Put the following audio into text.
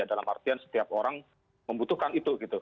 dalam artian setiap orang membutuhkan itu gitu